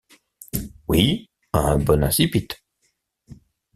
Oui, un bon incipit.